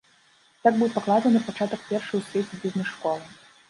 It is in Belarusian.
Так быў пакладзены пачатак першай у свеце бізнес-школы.